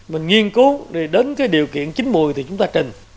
mình nghiên cứu đến điều kiện chính mùi thì chúng ta trình